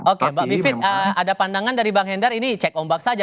oke mbak bivitri ada pandangan dari bang hendar ini cek ombak saja